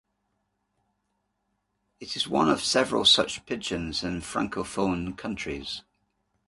It is one of several such pidgins in francophone countries.